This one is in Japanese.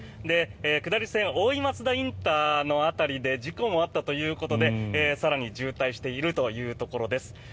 下り線、大井松田ＩＣの辺りで事故があったということで更に渋滞しているというところです。